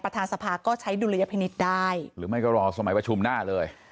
สภาก็ใช้ดุลยพินิษฐ์ได้หรือไม่ก็รอสมัยประชุมหน้าเลย